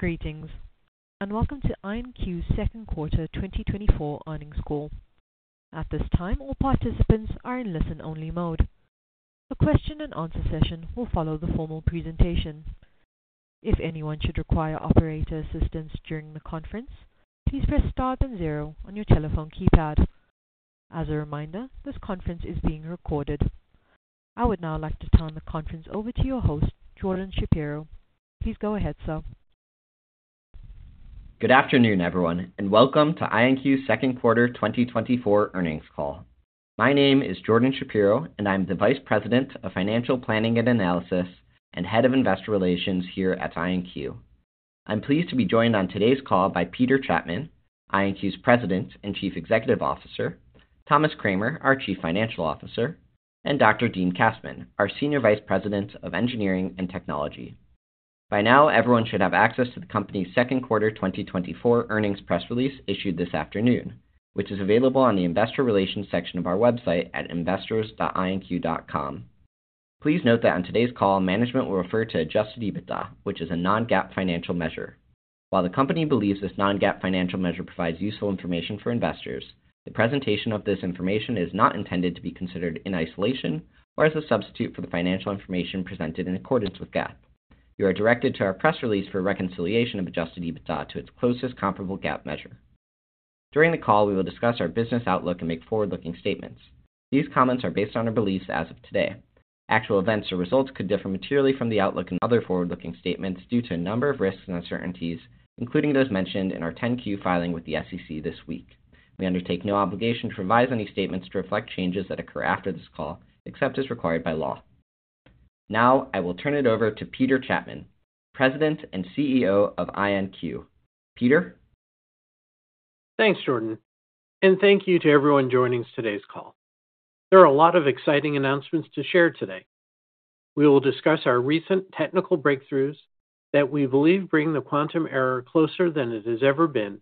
Greetings, and welcome to IonQ's second quarter 2024 earnings call. At this time, all participants are in listen-only mode. A question and answer session will follow the formal presentation. If anyone should require operator assistance during the conference, please press Star then zero on your telephone keypad. As a reminder, this conference is being recorded. I would now like to turn the conference over to your host, Jordan Shapiro. Please go ahead, sir. Good afternoon, everyone, and welcome to IonQ's second quarter 2024 earnings call. My name is Jordan Shapiro, and I'm the Vice President of Financial Planning and Analysis and Head of Investor Relations here at IonQ. I'm pleased to be joined on today's call by Peter Chapman, IonQ's President and Chief Executive Officer, Thomas Kramer, our Chief Financial Officer, and Dr. Dean Kassmann, our Senior Vice President of Engineering and Technology. By now, everyone should have access to the company's second quarter 2024 earnings press release issued this afternoon, which is available on the Investor Relations section of our website at investors.ionq.com. Please note that on today's call, management will refer to Adjusted EBITDA, which is a non-GAAP financial measure. While the company believes this non-GAAP financial measure provides useful information for investors, the presentation of this information is not intended to be considered in isolation or as a substitute for the financial information presented in accordance with GAAP. You are directed to our press release for a reconciliation of Adjusted EBITDA to its closest comparable GAAP measure. During the call, we will discuss our business outlook and make forward-looking statements. These comments are based on our beliefs as of today. Actual events or results could differ materially from the outlook and other forward-looking statements due to a number of risks and uncertainties, including those mentioned in our 10-Q filing with the SEC this week. We undertake no obligation to revise any statements to reflect changes that occur after this call, except as required by law. Now, I will turn it over to Peter Chapman, President and CEO of IonQ. Peter? Thanks, Jordan, and thank you to everyone joining today's call. There are a lot of exciting announcements to share today. We will discuss our recent technical breakthroughs that we believe bring the quantum era closer than it has ever been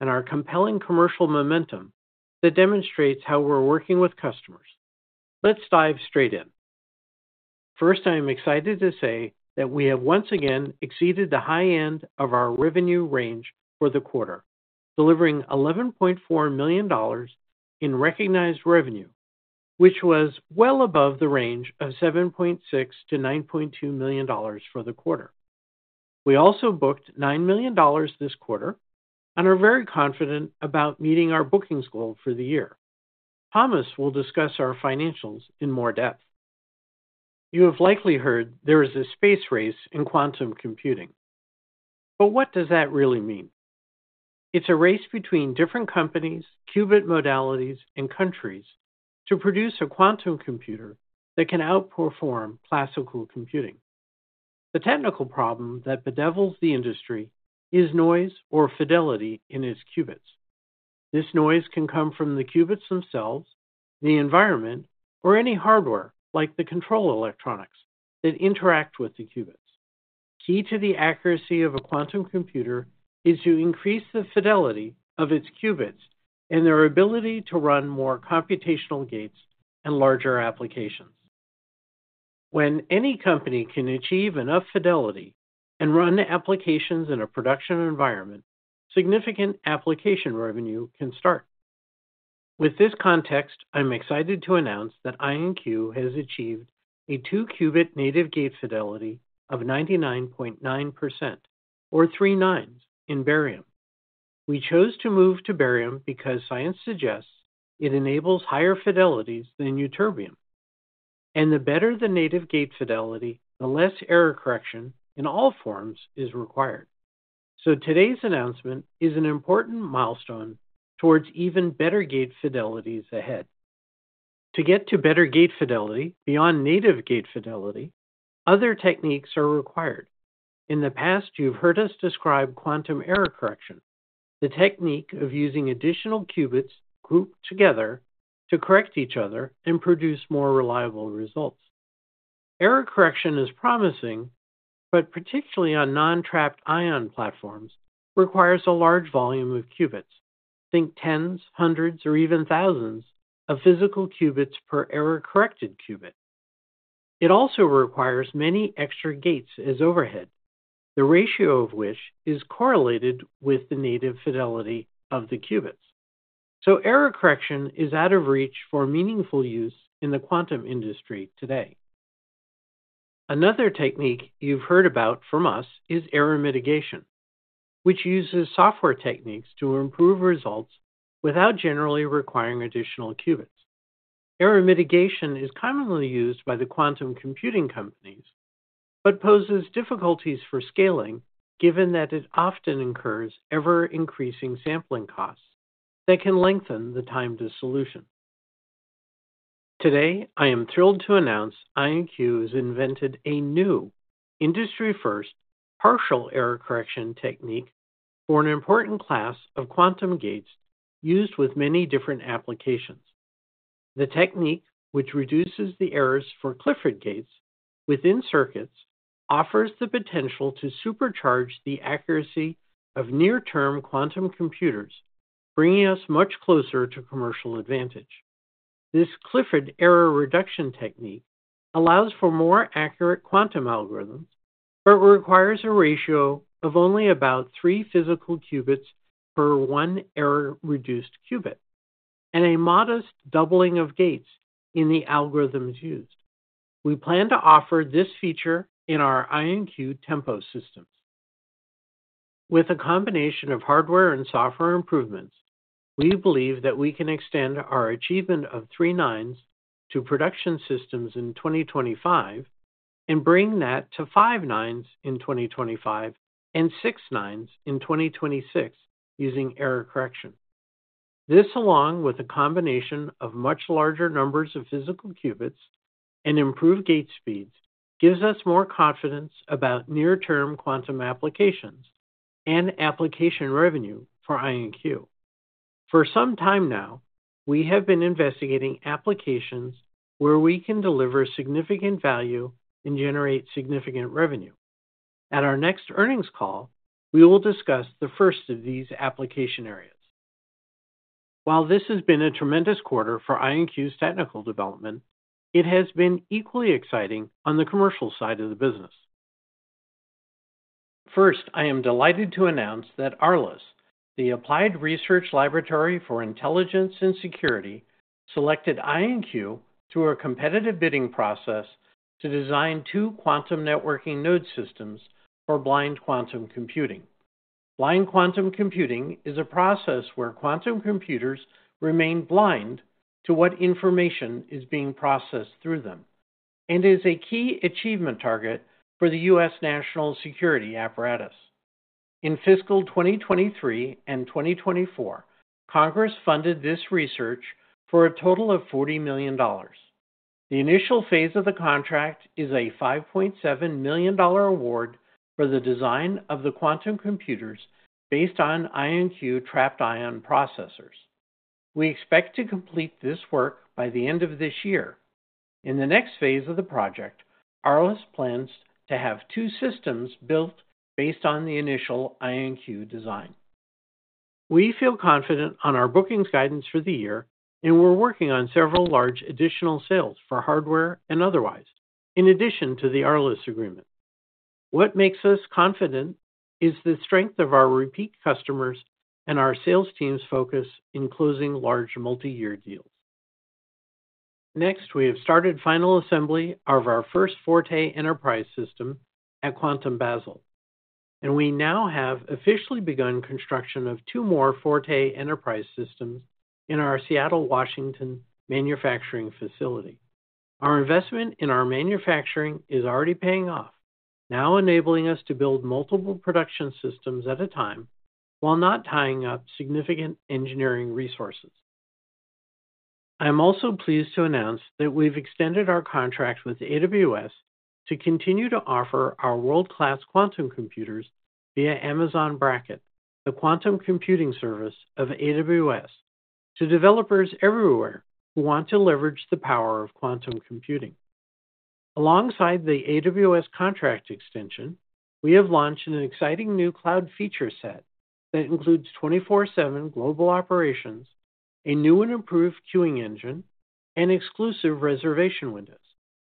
and our compelling commercial momentum that demonstrates how we're working with customers. Let's dive straight in. First, I am excited to say that we have once again exceeded the high end of our revenue range for the quarter, delivering $11.4 million in recognized revenue, which was well above the range of $7.6 million-$9.2 million for the quarter. We also booked $9 million this quarter and are very confident about meeting our bookings goal for the year. Thomas will discuss our financials in more depth. You have likely heard there is a space race in quantum computing, but what does that really mean? It's a race between different companies, qubit modalities, and countries to produce a quantum computer that can outperform classical computing. The technical problem that bedevils the industry is noise or fidelity in its qubits. This noise can come from the qubits themselves, the environment, or any hardware, like the control electronics, that interact with the qubits. Key to the accuracy of a quantum computer is to increase the fidelity of its qubits and their ability to run more computational gates and larger applications. When any company can achieve enough fidelity and run the applications in a production environment, significant application revenue can start. With this context, I'm excited to announce that IonQ has achieved a two-qubit native gate fidelity of 99.9%, or three nines, in barium. We chose to move to barium because science suggests it enables higher fidelities than ytterbium, and the better the native gate fidelity, the less error correction in all forms is required. So today's announcement is an important milestone towards even better gate fidelities ahead. To get to better gate fidelity beyond native gate fidelity, other techniques are required. In the past, you've heard us describe quantum error correction, the technique of using additional qubits grouped together to correct each other and produce more reliable results. Error correction is promising, but particularly on non-trapped ion platforms, requires a large volume of qubits. Think tens, hundreds, or even thousands of physical qubits per error-corrected qubit. It also requires many extra gates as overhead, the ratio of which is correlated with the native fidelity of the qubits. So error correction is out of reach for meaningful use in the quantum industry today. Another technique you've heard about from us is error mitigation, which uses software techniques to improve results without generally requiring additional qubits. Error mitigation is commonly used by the quantum computing companies, but poses difficulties for scaling, given that it often incurs ever-increasing sampling costs that can lengthen the time to solution. Today, I am thrilled to announce IonQ has invented a new industry-first partial error correction technique for an important class of quantum gates used with many different applications. The technique, which reduces the errors for Clifford gates within circuits, offers the potential to supercharge the accuracy of near-term quantum computers, bringing us much closer to commercial advantage.... This Clifford error reduction technique allows for more accurate quantum algorithms, but requires a ratio of only about 3 physical qubits per 1 error-reduced qubit and a modest doubling of gates in the algorithms used. We plan to offer this feature in our IonQ Tempo systems. With a combination of hardware and software improvements, we believe that we can extend our achievement of 3 nines to production systems in 2025 and bring that to 5 nines in 2025 and 6 nines in 2026 using error correction. This, along with a combination of much larger numbers of physical qubits and improved gate speeds, gives us more confidence about near-term quantum applications and application revenue for IonQ. For some time now, we have been investigating applications where we can deliver significant value and generate significant revenue. At our next earnings call, we will discuss the first of these application areas. While this has been a tremendous quarter for IonQ's technical development, it has been equally exciting on the commercial side of the business. First, I am delighted to announce that ARLIS, the Applied Research Laboratory for Intelligence and Security, selected IonQ through a competitive bidding process to design two quantum networking node systems for blind quantum computing. Blind quantum computing is a process where quantum computers remain blind to what information is being processed through them and is a key achievement target for the U.S. national security apparatus. In fiscal 2023 and 2024, Congress funded this research for a total of $40 million. The initial phase of the contract is a $5.7 million award for the design of the quantum computers based on IonQ trapped-ion processors. We expect to complete this work by the end of this year. In the next phase of the project, ARLIS plans to have two systems built based on the initial IonQ design. We feel confident on our bookings guidance for the year, and we're working on several large additional sales for hardware and otherwise, in addition to the ARLIS agreement. What makes us confident is the strength of our repeat customers and our sales team's focus in closing large multi-year deals. Next, we have started final assembly of our first Forte Enterprise system at Quantum Basel, and we now have officially begun construction of two more Forte Enterprise systems in our Seattle, Washington, manufacturing facility. Our investment in our manufacturing is already paying off, now enabling us to build multiple production systems at a time while not tying up significant engineering resources. I am also pleased to announce that we've extended our contract with AWS to continue to offer our world-class quantum computers via Amazon Braket, the quantum computing service of AWS, to developers everywhere who want to leverage the power of quantum computing. Alongside the AWS contract extension, we have launched an exciting new cloud feature set that includes 24/7 global operations, a new and improved queuing engine, and exclusive reservation windows.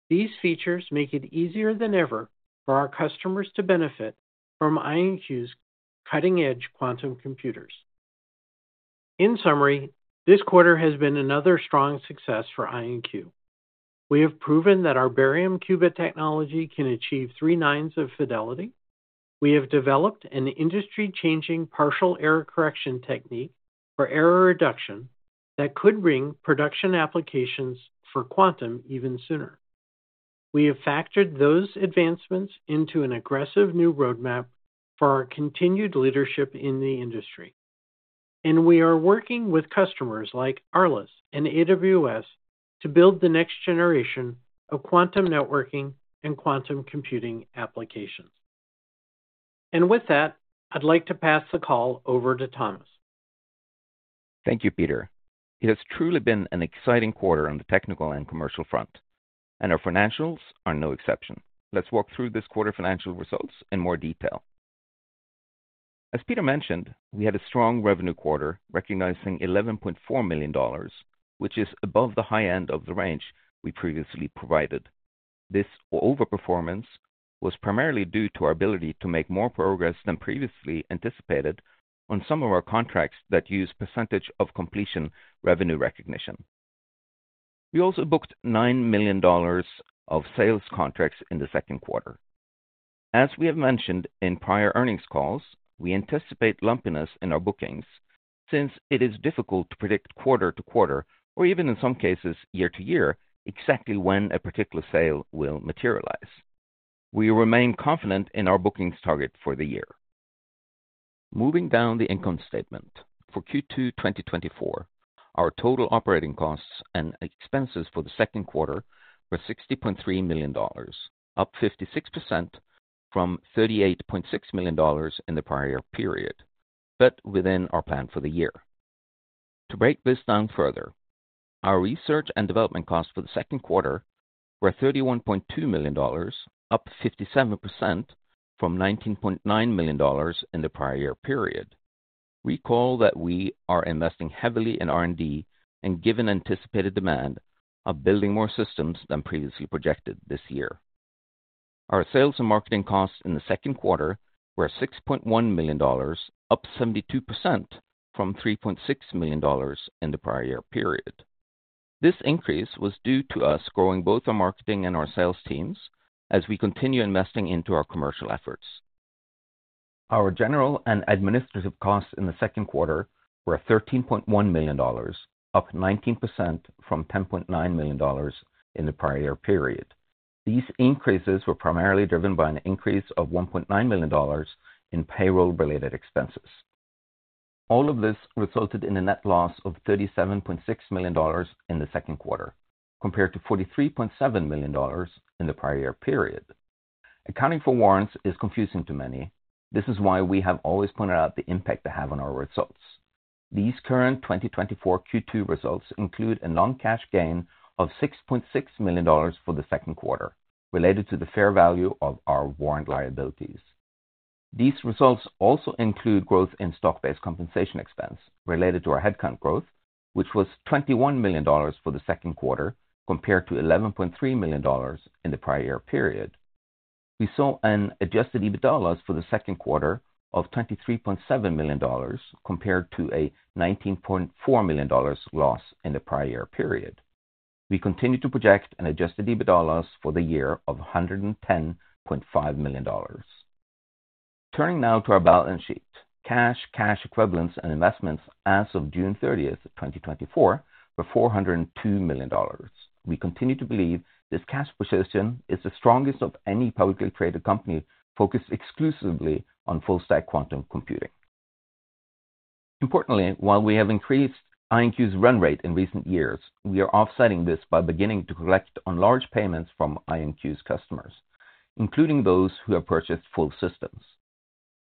These features make it easier than ever for our customers to benefit from IonQ's cutting-edge quantum computers. In summary, this quarter has been another strong success for IonQ. We have proven that our barium qubit technology can achieve three nines of fidelity. We have developed an industry-changing partial error correction technique for error reduction that could bring production applications for quantum even sooner. We have factored those advancements into an aggressive new roadmap for our continued leadership in the industry, and we are working with customers like ARLIS and AWS to build the next generation of quantum networking and quantum computing applications. And with that, I'd like to pass the call over to Thomas. Thank you, Peter. It has truly been an exciting quarter on the technical and commercial front, and our financials are no exception. Let's walk through this quarter financial results in more detail. As Peter mentioned, we had a strong revenue quarter, recognizing $11.4 million, which is above the high end of the range we previously provided. This over-performance was primarily due to our ability to make more progress than previously anticipated on some of our contracts that use percentage of completion revenue recognition. We also booked $9 million of sales contracts in the second quarter. As we have mentioned in prior earnings calls, we anticipate lumpiness in our bookings since it is difficult to predict quarter to quarter or even in some cases year to year, exactly when a particular sale will materialize. We remain confident in our bookings target for the year. Moving down the income statement, for Q2 2024, our total operating costs and expenses for the second quarter were $60.3 million, up 56% from $38.6 million in the prior period, but within our plan for the year. To break this down further, our research and development costs for the second quarter were $31.2 million, up 57% from $19.9 million in the prior period. Recall that we are investing heavily in R&D and given anticipated demand of building more systems than previously projected this year. Our sales and marketing costs in the second quarter were $6.1 million, up 72% from $3.6 million in the prior period. This increase was due to us growing both our marketing and our sales teams as we continue investing into our commercial efforts. Our general and administrative costs in the second quarter were $13.1 million, up 19% from $10.9 million in the prior period. These increases were primarily driven by an increase of $1.9 million in payroll-related expenses. All of this resulted in a net loss of $37.6 million in the second quarter, compared to $43.7 million in the prior period. Accounting for warrants is confusing to many. This is why we have always pointed out the impact they have on our results. These current 2024 Q2 results include a non-cash gain of $6.6 million for the second quarter, related to the fair value of our warrant liabilities. These results also include growth in stock-based compensation expense related to our headcount growth, which was $21 million for the second quarter, compared to $11.3 million in the prior period. We saw an Adjusted EBITDA loss for the second quarter of $23.7 million, compared to a $19.4 million loss in the prior period. We continue to project an Adjusted EBITDA loss for the year of $110.5 million. Turning now to our balance sheet. Cash, cash equivalents and investments as of June 30, 2024, were $402 million. We continue to believe this cash position is the strongest of any publicly traded company focused exclusively on full stack quantum computing. Importantly, while we have increased IonQ's run rate in recent years, we are offsetting this by beginning to collect on large payments from IonQ's customers, including those who have purchased full systems.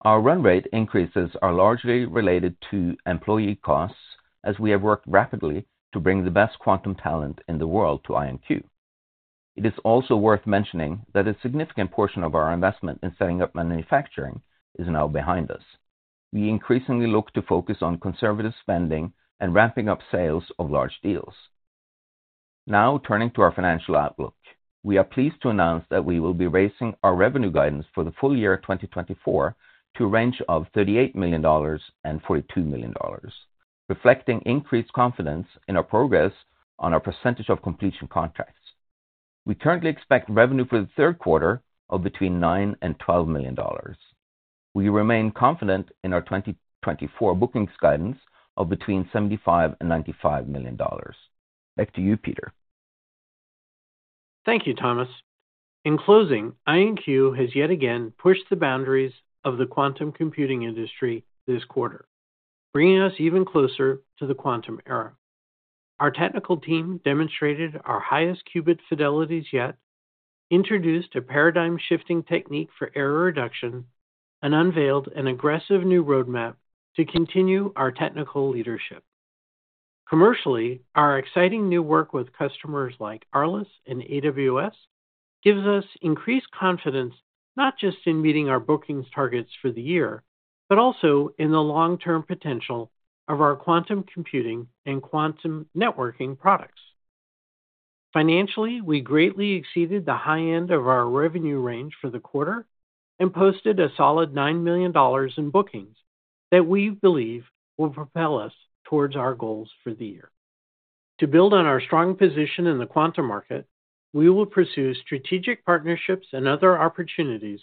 Our run rate increases are largely related to employee costs, as we have worked rapidly to bring the best quantum talent in the world to IonQ. It is also worth mentioning that a significant portion of our investment in setting up manufacturing is now behind us. We increasingly look to focus on conservative spending and ramping up sales of large deals. Now, turning to our financial outlook. We are pleased to announce that we will be raising our revenue guidance for the full year of 2024 to a range of $38 million-$42 million, reflecting increased confidence in our progress on our percentage of completion contracts. We currently expect revenue for the third quarter of between $9 million and $12 million. We remain confident in our 2024 bookings guidance of between $75 million and $95 million. Back to you, Peter. Thank you, Thomas. In closing, IonQ has yet again pushed the boundaries of the quantum computing industry this quarter, bringing us even closer to the quantum era. Our technical team demonstrated our highest qubit fidelities yet, introduced a paradigm-shifting technique for error reduction, and unveiled an aggressive new roadmap to continue our technical leadership. Commercially, our exciting new work with customers like ARLIS and AWS gives us increased confidence, not just in meeting our bookings targets for the year, but also in the long-term potential of our quantum computing and quantum networking products. Financially, we greatly exceeded the high end of our revenue range for the quarter and posted a solid $9 million in bookings that we believe will propel us towards our goals for the year. To build on our strong position in the quantum market, we will pursue strategic partnerships and other opportunities,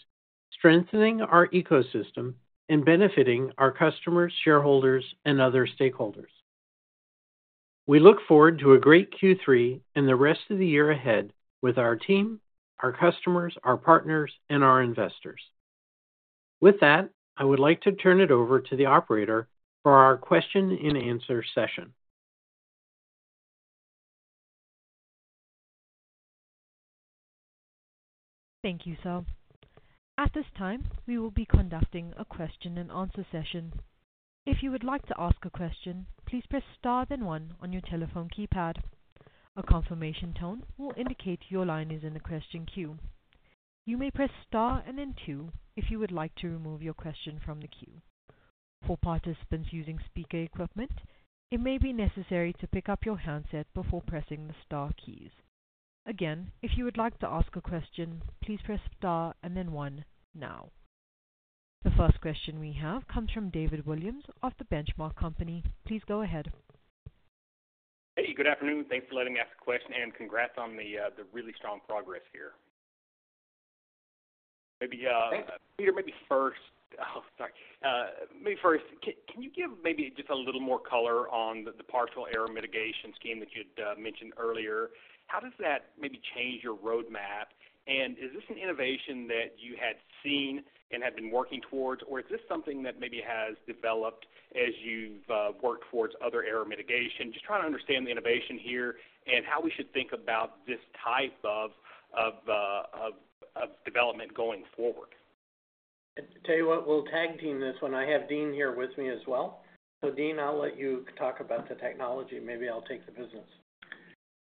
strengthening our ecosystem and benefiting our customers, shareholders, and other stakeholders. We look forward to a great Q3 and the rest of the year ahead with our team, our customers, our partners, and our investors. With that, I would like to turn it over to the operator for our question-and-answer session. Thank you, sir. At this time, we will be conducting a question-and-answer session. If you would like to ask a question, please press star, then one on your telephone keypad. A confirmation tone will indicate your line is in the question queue. You may press star and then two if you would like to remove your question from the queue. For participants using speaker equipment, it may be necessary to pick up your handset before pressing the star keys. Again, if you would like to ask a question, please press star and then one now. The first question we have comes from David Williams of The Benchmark Company. Please go ahead. Hey, good afternoon. Thanks for letting me ask a question, and congrats on the really strong progress here. Maybe Peter, maybe first, can you give maybe just a little more color on the partial error mitigation scheme that you'd mentioned earlier? How does that maybe change your roadmap? And is this an innovation that you had seen and had been working towards, or is this something that maybe has developed as you've worked towards other error mitigation? Just trying to understand the innovation here and how we should think about this type of development going forward. I tell you what, we'll tag-team this one. I have Dean here with me as well. So Dean, I'll let you talk about the technology, and maybe I'll take the business....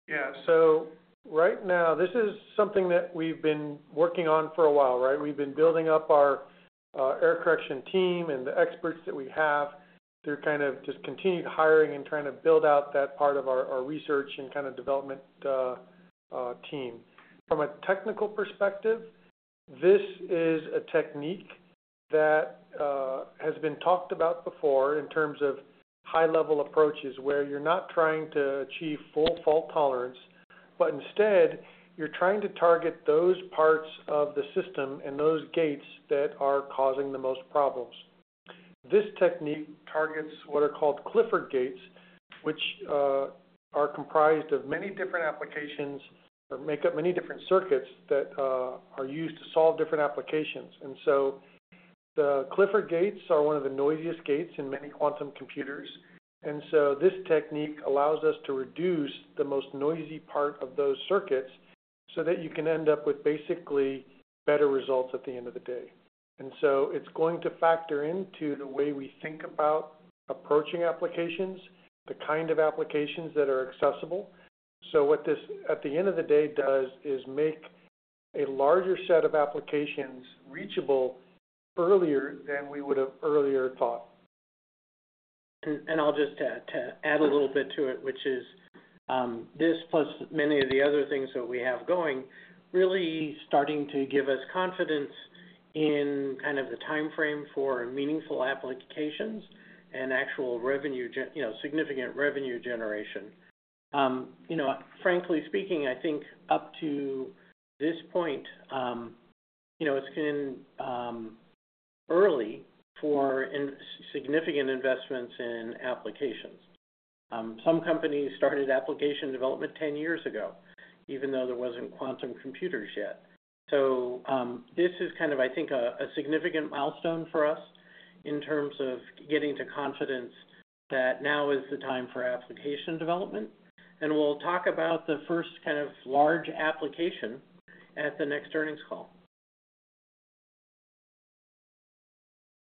Yeah. So right now, this is something that we've been working on for a while, right? We've been building up our error correction team and the experts that we have through kind of just continued hiring and trying to build out that part of our research and kind of development team. From a technical perspective, this is a technique that has been talked about before in terms of high-level approaches, where you're not trying to achieve full fault tolerance, but instead, you're trying to target those parts of the system and those gates that are causing the most problems. This technique targets what are called Clifford gates, which are comprised of many different applications or make up many different circuits that are used to solve different applications. And so the Clifford gates are one of the noisiest gates in many quantum computers, and so this technique allows us to reduce the most noisy part of those circuits so that you can end up with basically better results at the end of the day. And so it's going to factor into the way we think about approaching applications, the kind of applications that are accessible. So what this, at the end of the day, does is make a larger set of applications reachable earlier than we would have earlier thought. I'll just add, to add a little bit to it, which is, this plus many of the other things that we have going, really starting to give us confidence in kind of the timeframe for meaningful applications and actual revenue, you know, significant revenue generation. You know, frankly speaking, I think up to this point, you know, it's been early for significant investments in applications. Some companies started application development ten years ago, even though there wasn't quantum computers yet. So, this is kind of, I think, a significant milestone for us in terms of getting to confidence that now is the time for application development. And we'll talk about the first kind of large application at the next earnings call.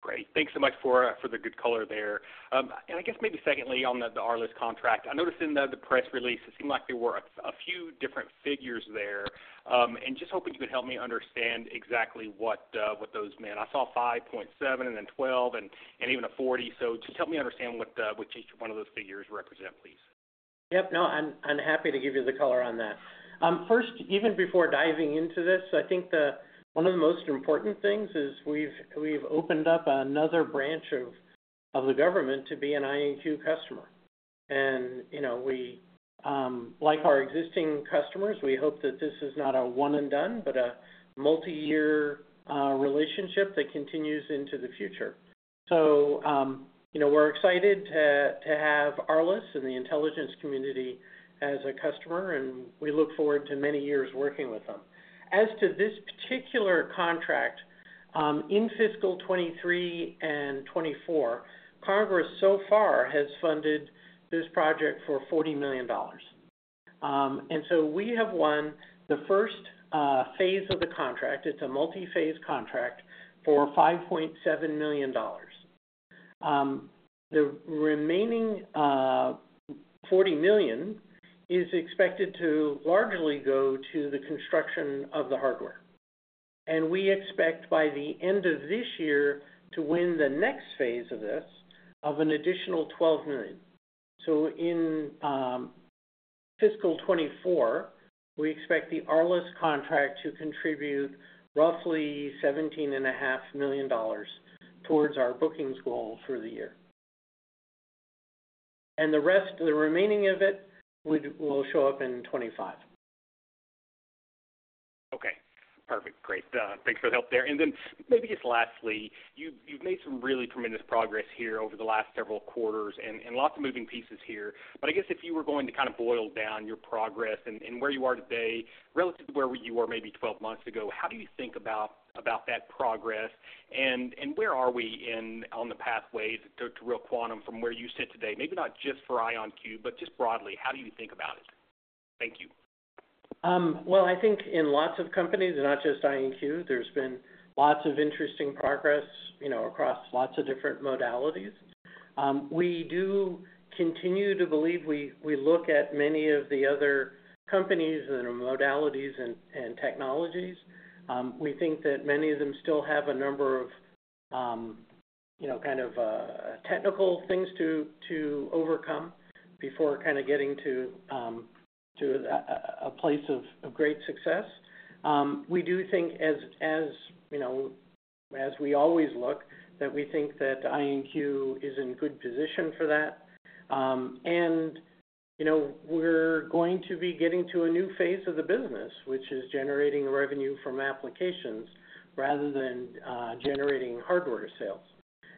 Great. Thanks so much for the good color there. And I guess maybe secondly, on the ARLIS contract, I noticed in the press release, it seemed like there were a few different figures there. And just hoping you could help me understand exactly what those meant. I saw $5.7 and then $12 and even a $40. So just help me understand what each one of those figures represent, please. Yep. No, I'm happy to give you the color on that. First, even before diving into this, I think one of the most important things is we've opened up another branch of the government to be an IonQ customer. And, you know, like our existing customers, we hope that this is not a one and done, but a multiyear relationship that continues into the future. So, you know, we're excited to have ARLIS and the intelligence community as a customer, and we look forward to many years working with them. As to this particular contract, in fiscal 2023 and 2024, Congress so far has funded this project for $40 million. And so we have won the first phase of the contract. It's a multiphase contract for $5.7 million. The remaining $40 million is expected to largely go to the construction of the hardware. And we expect by the end of this year to win the next phase of this, of an additional $12 million. So in fiscal 2024, we expect the ARLIS contract to contribute roughly $17.5 million towards our bookings goal for the year. And the rest, the remaining of it, will show up in 2025. Okay, perfect. Great. Thanks for the help there. And then maybe just lastly, you've made some really tremendous progress here over the last several quarters and lots of moving pieces here. But I guess if you were going to kind of boil down your progress and where you are today relative to where you were maybe 12 months ago, how do you think about that progress? And where are we on the pathway to real quantum from where you sit today? Maybe not just for IonQ, but just broadly, how do you think about it? Thank you. Well, I think in lots of companies, and not just IonQ, there's been lots of interesting progress, you know, across lots of different modalities. We do continue to believe. We look at many of the other companies and modalities and technologies. We think that many of them still have a number of, you know, kind of, technical things to overcome before kind of getting to a place of great success. We do think, as you know, as we always look, that we think that IonQ is in good position for that. And, you know, we're going to be getting to a new phase of the business, which is generating revenue from applications rather than generating hardware sales.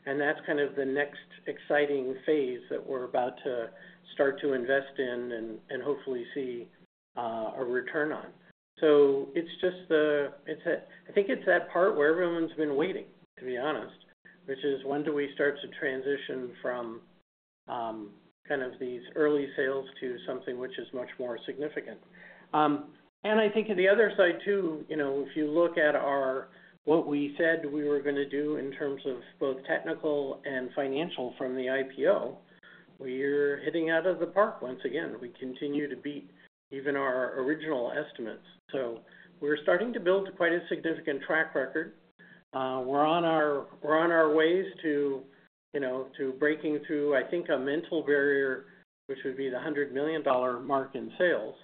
And that's kind of the next exciting phase that we're about to start to invest in and hopefully see a return on. So it's just I think it's that part where everyone's been waiting, to be honest, which is when do we start to transition from kind of these early sales to something which is much more significant? I think on the other side, too, you know, if you look at our, what we said we were going to do in terms of both technical and financial from the IPO, we're hitting out of the park once again. We continue to beat even our original estimates. So we're starting to build quite a significant track record. We're on our way to, you know, breaking through, I think, a mental barrier, which would be the $100 million mark in sales.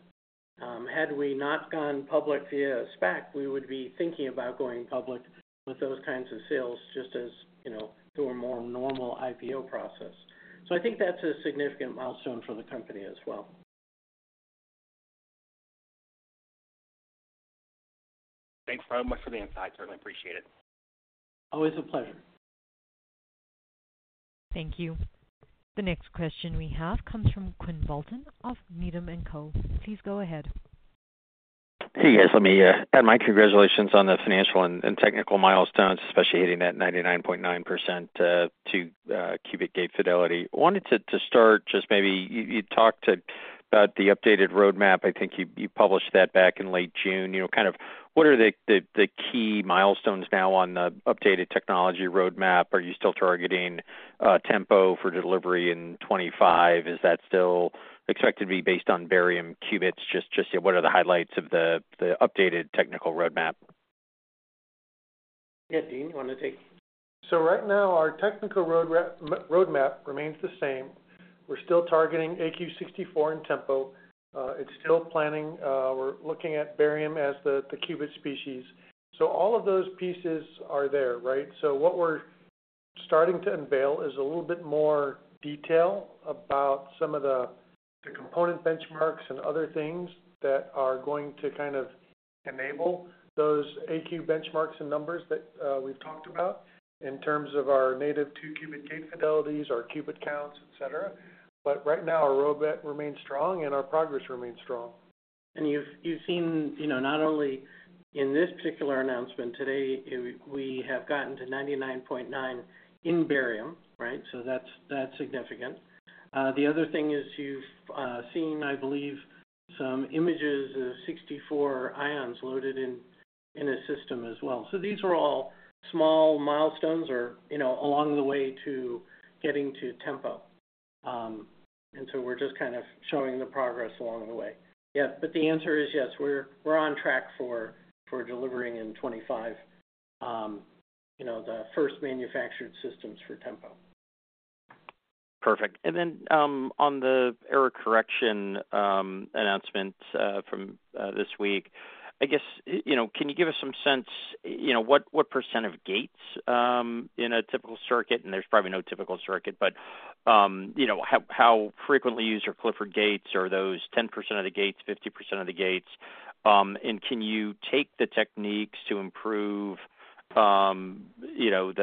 Had we not gone public via SPAC, we would be thinking about going public with those kinds of sales, just as, you know, through a more normal IPO process. So I think that's a significant milestone for the company as well. Thanks very much for the insight. Certainly appreciate it. Always a pleasure. Thank you. The next question we have comes from Quinn Bolton of Needham & Company. Please go ahead. Hey, guys, let me add my congratulations on the financial and technical milestones, especially hitting that 99.9% qubit gate fidelity. I wanted to start just maybe, you talked about the updated roadmap. I think you published that back in late June. You know, kind of what are the key milestones now on the updated technology roadmap? Are you still targeting Tempo for delivery in 2025? Is that still expected to be based on barium qubits? Just, yeah, what are the highlights of the updated technical roadmap? Yeah, Dean, you want to take? So right now, our technical roadmap remains the same. We're still targeting AQ 64 in Tempo. It's still planning, we're looking at barium as the qubit species. So all of those pieces are there, right? So what we're starting to unveil is a little bit more detail about some of the component benchmarks and other things that are going to kind of enable those AQ benchmarks and numbers that we've talked about in terms of our native two-qubit gate fidelities, our qubit counts, et cetera. But right now, our roadmap remains strong and our progress remains strong. And you've seen, you know, not only in this particular announcement today, we have gotten to 99.9% in barium, right? So that's significant. The other thing is you've seen, I believe, some images of 64 ions loaded in a system as well. So these are all small milestones or, you know, along the way to getting to Tempo. And so we're just kind of showing the progress along the way. Yeah, but the answer is, yes, we're on track for delivering in 25, you know, the first manufactured systems for Tempo. Perfect. Then, on the error correction announcement from this week, I guess, you know, can you give us some sense, you know, what, what percent of gates in a typical circuit, and there's probably no typical circuit, but, you know, how, how frequently used are Clifford gates? Are those 10% of the gates, 50% of the gates? And can you take the techniques to improve, you know,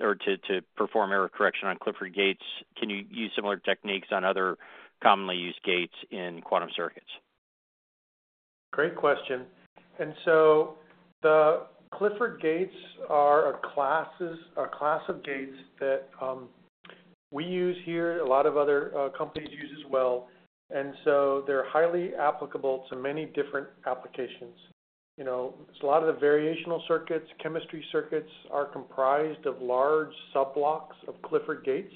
or to perform error correction on Clifford gates, can you use similar techniques on other commonly used gates in quantum circuits? Great question. And so the Clifford gates are a class of gates that we use here, a lot of other companies use as well, and so they're highly applicable to many different applications. You know, a lot of the variational circuits, chemistry circuits, are comprised of large subblocks of Clifford gates.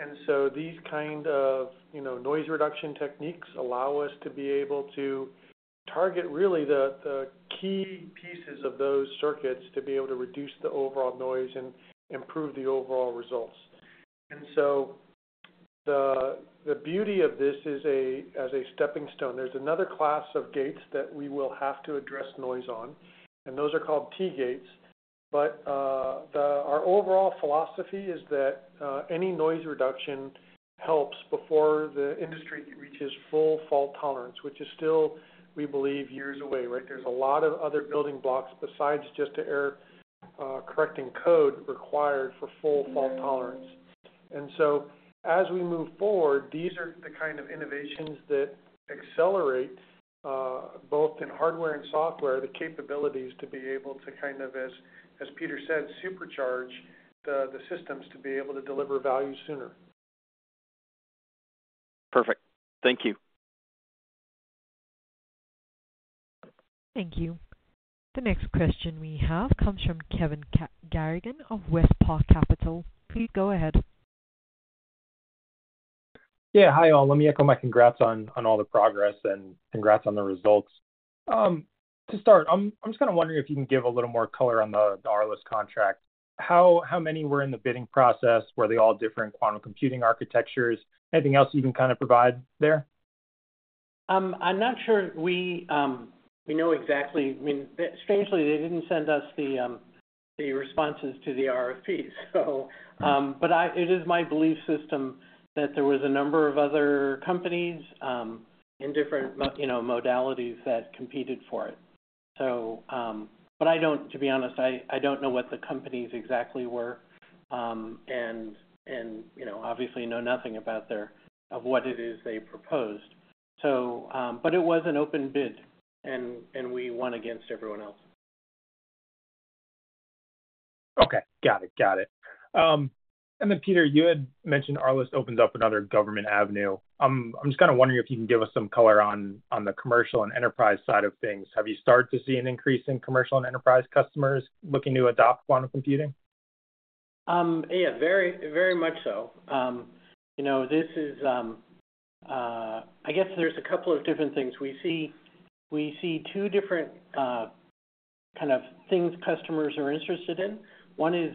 And so these kind of, you know, noise reduction techniques allow us to be able to target really the key pieces of those circuits to be able to reduce the overall noise and improve the overall results. And so the beauty of this is, as a stepping stone. There's another class of gates that we will have to address noise on, and those are called T gates. But, our overall philosophy is that any noise reduction helps before the industry reaches full fault tolerance, which is still, we believe, years away, right? There's a lot of other building blocks besides just the error correcting code required for full fault tolerance. And so as we move forward, these are the kind of innovations that accelerate both in hardware and software the capabilities to be able to kind of, as Peter said, supercharge the systems to be able to deliver value sooner. Perfect. Thank you. Thank you. The next question we have comes from Kevin Garrigan of Westpark Capital. Please go ahead. Yeah. Hi, all. Let me echo my congrats on all the progress and congrats on the results. To start, I'm just kind of wondering if you can give a little more color on the ARLIS contract. How many were in the bidding process? Were they all different quantum computing architectures? Anything else you can kind of provide there? I'm not sure we know exactly. I mean, strangely, they didn't send us the responses to the RFP, so, but it is my belief system that there was a number of other companies in different, you know, modalities that competed for it. So, but I don't, to be honest, I don't know what the companies exactly were, and, you know, obviously know nothing about their, of what it is they proposed. So, but it was an open bid, and we won against everyone else.... Okay, got it. Got it. And then, Peter, you had mentioned ARLIS opens up another government avenue. I'm just kind of wondering if you can give us some color on, on the commercial and enterprise side of things. Have you started to see an increase in commercial and enterprise customers looking to adopt quantum computing? Yeah, very, very much so. You know, this is, I guess there's a couple of different things. We see, we see two different kind of things customers are interested in. One is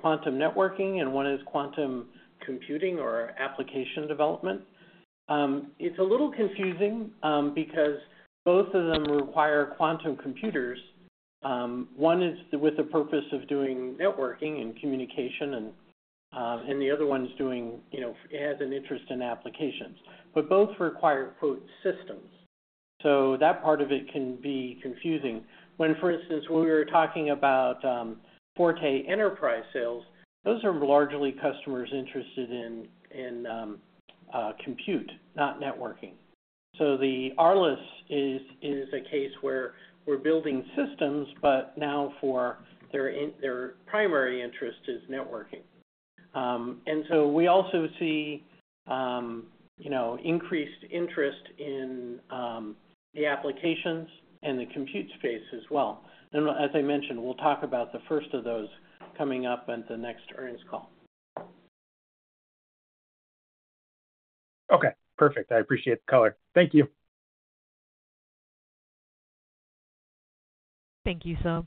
quantum networking, and one is quantum computing or application development. It's a little confusing because both of them require quantum computers. One is with the purpose of doing networking and communication, and the other one is doing, you know, it has an interest in applications. But both require, quote, "systems." So that part of it can be confusing when, for instance, when we were talking about Forte Enterprise sales, those are largely customers interested in compute, not networking. So the ARLIS is a case where we're building systems, but now for their primary interest is networking. And so we also see, you know, increased interest in the applications and the compute space as well. And as I mentioned, we'll talk about the first of those coming up at the next earnings call. Okay, perfect. I appreciate the color. Thank you. Thank you, sir.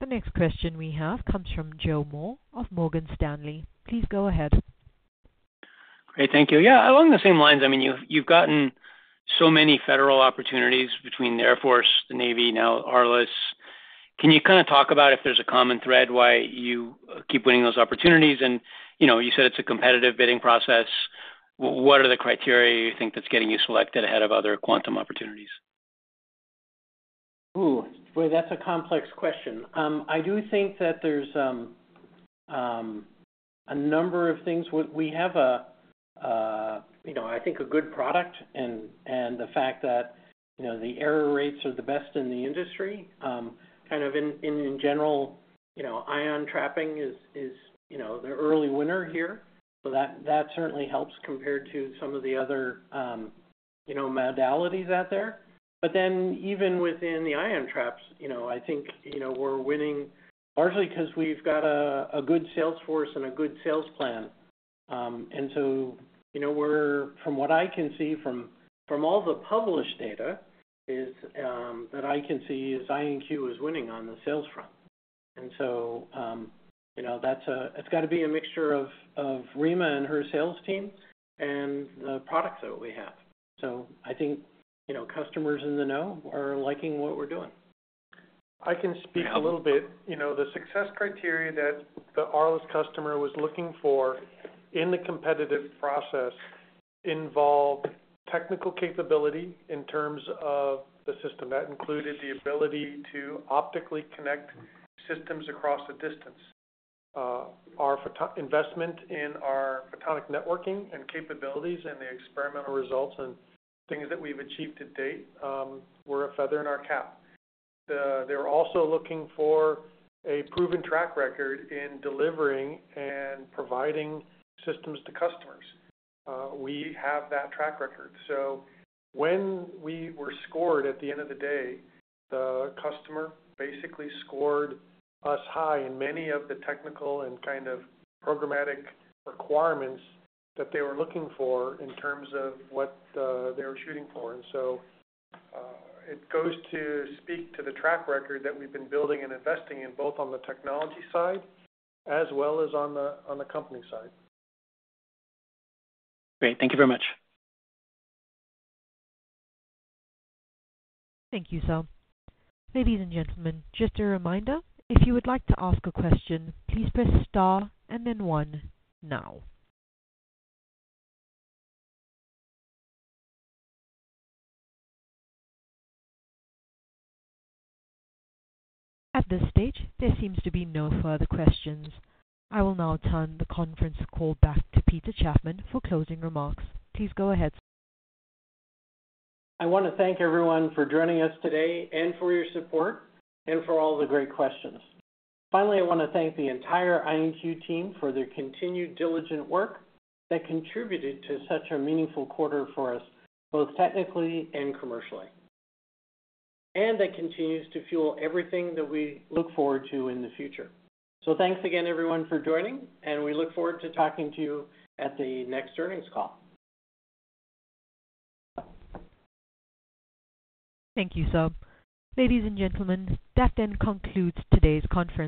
The next question we have comes from Joe Moore of Morgan Stanley. Please go ahead. Great. Thank you. Yeah, along the same lines, I mean, you've, you've gotten so many federal opportunities between the Air Force, the Navy, now ARLIS. Can you kind of talk about if there's a common thread, why you keep winning those opportunities? And, you know, you said it's a competitive bidding process. What are the criteria you think that's getting you selected ahead of other quantum opportunities? Ooh, boy, that's a complex question. I do think that there's a number of things. We have, you know, I think a good product and the fact that, you know, the error rates are the best in the industry. Kind of in general, you know, ion trapping is the early winner here. So that certainly helps compared to some of the other, you know, modalities out there. But then even within the ion traps, you know, I think, you know, we're winning largely 'cause we've got a good sales force and a good sales plan. And so, you know, from what I can see from all the published data is that IONQ is winning on the sales front. You know, that's, it's got to be a mixture of Rima and her sales team and the products that we have. So I think, you know, customers in the know are liking what we're doing. I can speak a little bit. You know, the success criteria that the ARLIS customer was looking for in the competitive process involved technical capability in terms of the system. That included the ability to optically connect systems across a distance. Our investment in our photonic networking and capabilities and the experimental results and things that we've achieved to date were a feather in our cap. They were also looking for a proven track record in delivering and providing systems to customers. We have that track record. So when we were scored at the end of the day, the customer basically scored us high in many of the technical and kind of programmatic requirements that they were looking for in terms of what they were shooting for. And so, it goes to speak to the track record that we've been building and investing in, both on the technology side as well as on the company side. Great. Thank you very much. Thank you, sir. Ladies and gentlemen, just a reminder, if you would like to ask a question, please press star and then one now. At this stage, there seems to be no further questions. I will now turn the conference call back to Peter Chapman for closing remarks. Please go ahead. I want to thank everyone for joining us today and for your support and for all the great questions. Finally, I want to thank the entire IonQ team for their continued diligent work that contributed to such a meaningful quarter for us, both technically and commercially, and that continues to fuel everything that we look forward to in the future. So thanks again, everyone, for joining, and we look forward to talking to you at the next earnings call. Thank you, sir. Ladies and gentlemen, that then concludes today's conference.